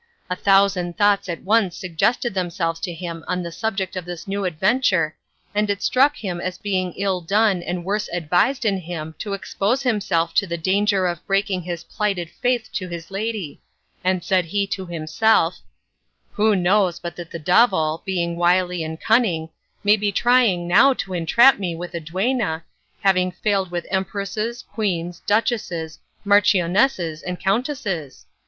A thousand thoughts at once suggested themselves to him on the subject of this new adventure, and it struck him as being ill done and worse advised in him to expose himself to the danger of breaking his plighted faith to his lady; and said he to himself, "Who knows but that the devil, being wily and cunning, may be trying now to entrap me with a duenna, having failed with empresses, queens, duchesses, marchionesses, and countesses?